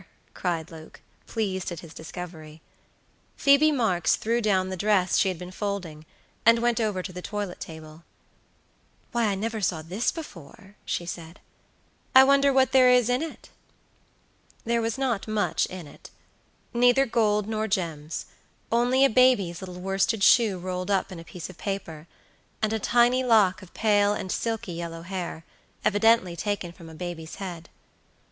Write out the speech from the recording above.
cried Luke, pleased at his discovery. Phoebe Marks threw down the dress she had been folding, and went over to the toilette table. "Why, I never saw this before," she said; "I wonder what there is in it?" There was not much in it; neither gold nor gems; only a baby's little worsted shoe rolled up in a piece of paper, and a tiny lock of pale and silky yellow hair, evidently taken from a baby's head.